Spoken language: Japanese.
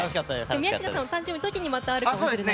宮近さんのお誕生日の時にまたあるかもしれないと。